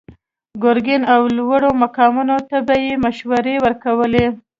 ګرګين او لوړو مقاماتو ته به يې مشورې ورکولې.